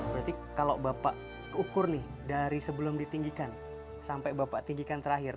berarti kalau bapak ukur nih dari sebelum ditinggikan sampai bapak tinggikan terakhir